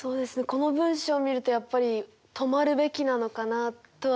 この文章を見るとやっぱり止まるべきなのかなとは思いますね。